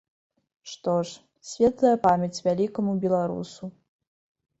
Што ж, светлая памяць вялікаму беларусу.